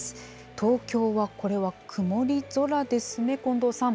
東京は、これは曇り空ですね、近藤さん。